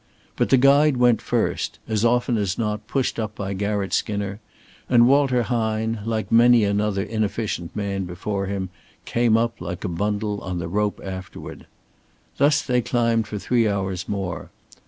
But the guide went first, as often as not pushed up by Garratt Skinner, and Walter Hine, like many another inefficient man before him, came up, like a bundle, on the rope afterward. Thus they climbed for three hours more.